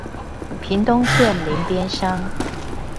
屏東縣林邊鄉